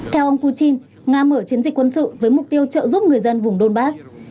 theo ông putin nga mở chiến dịch quân sự với mục tiêu trợ giúp người dân vùng donbass